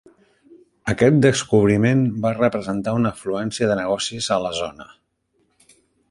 Aquest descobriment va representar en una afluència de negocis a la zona.